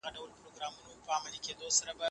نه یې چا وه مېلمستیا پر کور خوړلې